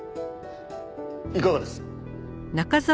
いかがです？